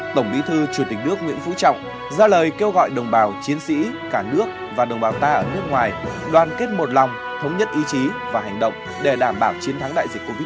tổng bí thư chủ tịch nước nguyễn phú trọng ra lời kêu gọi đồng bào chiến sĩ cả nước và đồng bào ta ở nước ngoài đoàn kết một lòng thống nhất ý chí và hành động để đảm bảo chiến thắng đại dịch covid một mươi chín